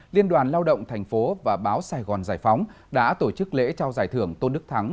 liên đoàn lao động thành phố và báo sài gòn giải phóng đã tổ chức lễ trao giải thưởng tôn đức thắng